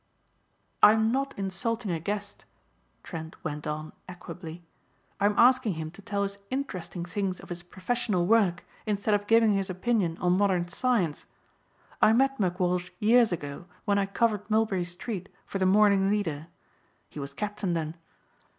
"I am not insulting a guest," Trent went on equably, "I am asking him to tell us interesting things of his professional work instead of giving his opinion on modern science. I met McWalsh years ago when I covered Mulberry Street for the Morning Leader. He was captain then.